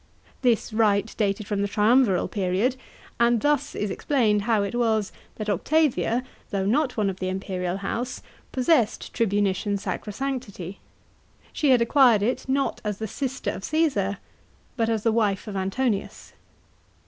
This right dated from the triumviral period, and thus is explained how it was that Octavia, though not one of the imperial house, possessed tribunician sacrosanctity. She hnd acquired it not as the sister of Caesar, but as the wife of Antonius.